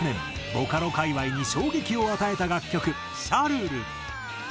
ボカロ界隈に衝撃を与えた楽曲『シャルル』。